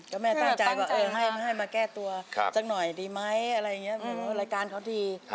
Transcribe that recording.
ก็แม่ตั้งใจว่าให้มาแก้ตัวสักหน่อยดีไหมอะไรอย่างนี้รายการเขาดี